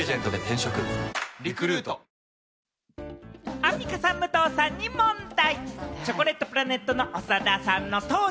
アンミカさん、武藤さんに問題。